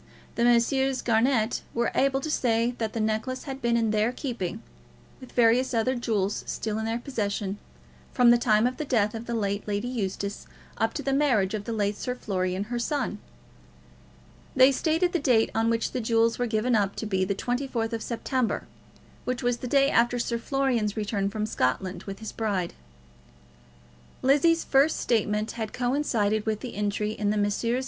The Messrs. Garnett were able to say that the necklace had been in their keeping, with various other jewels still in their possession, from the time of the death of the late Lady Eustace, up to the marriage of the late Sir Florian, her son. They stated the date on which the jewels were given up to be the 24th of September, which was the day after Sir Florian's return from Scotland with his bride. Lizzie's first statement had coincided with this entry in the Messrs.